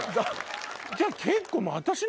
じゃあ結構。